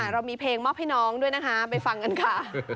เรามีเพลงมอบให้น้องด้วยนะคะไปฟังกันค่ะ